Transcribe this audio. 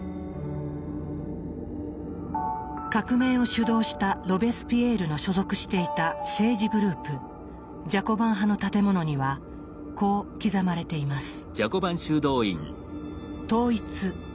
革命を主導したロベスピエールの所属していた政治グループジャコバン派の建物にはこう刻まれています。